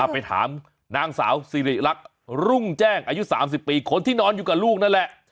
ไปถามนางสาวสิริรักษ์รุ่งแจ้งอายุ๓๐ปีคนที่นอนอยู่กับลูกนั่นแหละ